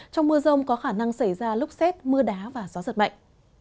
trong mưa rông có khả năng xảy ra lốc xét mưa đá và gió giật mạnh